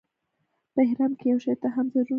په احرام کې یو شي ته هم ضرر نه رسېږي.